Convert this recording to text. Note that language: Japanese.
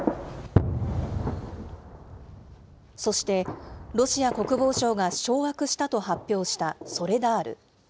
そして、ロシア国防省が掌握したと発表したソレダール。